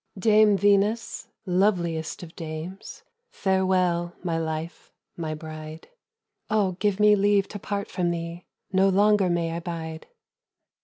"Dame Venus, loveliest of dames, Farewell, my life, my bride. Oh give me leave to part from thee, No longer may I bide."